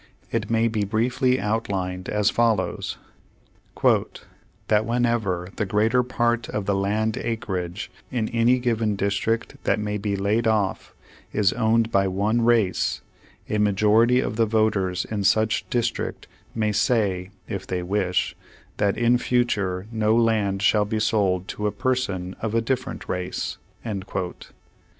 It may be briefly outlined as follows: "That whenever the greater part of the land acreage in any given district that may be laid off is owned by one race, a majority of the voters in such district may say (if they wish) that in future no land shall be sold to a person of a different race."